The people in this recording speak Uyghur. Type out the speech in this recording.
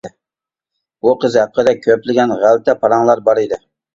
بۇ قىز ھەققىدە كۆپلىگەن غەلىتە پاراڭلار بار ئىدى.